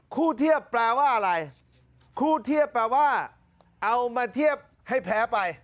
เทียบแปลว่าอะไรคู่เทียบแปลว่าเอามาเทียบให้แพ้ไป